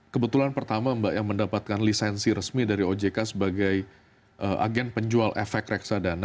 kebetulan pertama mbak yang mendapatkan lisensi resmi dari ojk sebagai agen penjual efek reksadana